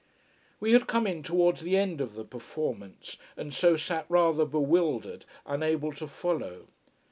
We had come in towards the end of the performance, and so sat rather bewildered, unable to follow.